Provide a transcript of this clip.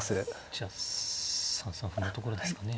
じゃあ３三歩のところですかね。